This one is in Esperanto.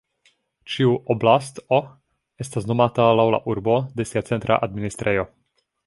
Ĉiu "oblast"o estas nomata laŭ la urbo de sia centra administrejo.